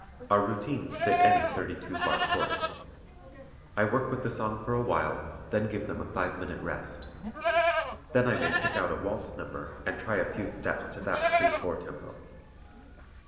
Our routines fit any 32 bar chorus. I work with the song for a while, then give them a 5 minute rest. Then I may pick out a waltz number and try a few steps to that 3/4 tempo.